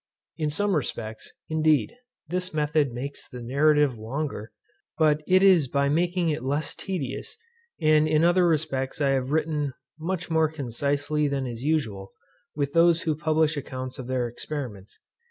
In some respects, indeed, this method makes the narrative longer, but it is by making it less tedious; and in other respects I have written much more concisely than is usual with those who publish accounts of their experiments.